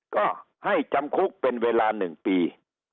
ก็ให้จำคุกเป็นเวลา๑ปี